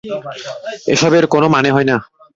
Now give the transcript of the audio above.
এসবের কোন মানে হয় না।